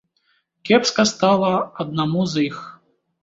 Кепска стала аднаму з іх.